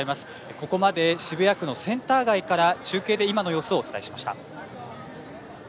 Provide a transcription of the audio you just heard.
ここまで渋谷区のセンター街から中継で今の様子をお伝えしました。